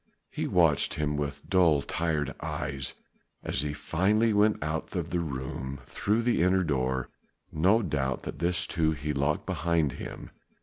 He watched him with dull, tired eyes, as he finally went out of the room through the inner door; no doubt that this too he locked behind him.